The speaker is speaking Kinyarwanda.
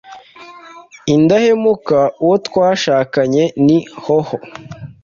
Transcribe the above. indahemuka uwo twashakanye ni hoho